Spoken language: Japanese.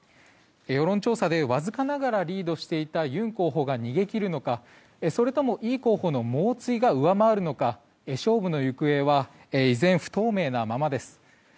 世論調査でわずかながらリードしていたユン候補が逃げ切るのかそれともイ候補の猛追が上回るのか勝負の行方は依然、不透明なままです。